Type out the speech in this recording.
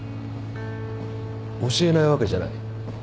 教えないわけじゃない。